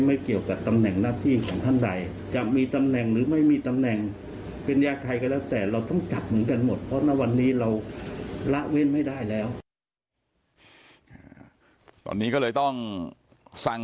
ไม่เกี่ยวกับตำแหน่งหน้าที่ของท่านใดจะมีตำแหน่งหรือไม่มีตำแหน่ง